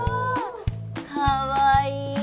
かわいい。